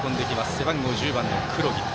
背番号１０番の黒木。